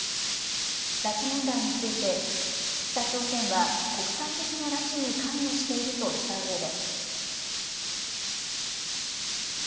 拉致問題について、北朝鮮は国際的な拉致に関与しているとしたうえで。